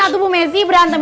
atau bu messi berantem